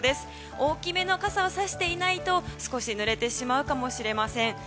大きめの傘をさしていないと少しぬれてしまうかもしれません。